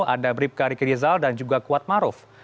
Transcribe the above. ada bribka rikirizal dan juga kuatmaruf